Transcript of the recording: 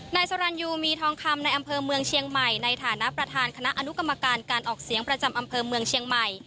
นายสรรยูมีทองคำในอำเภอเมืองเชียงใหม่ในฐานะประธานคณะอนุกรรมการการออกเสียงประจำอำเภอเมืองเชียงใหม่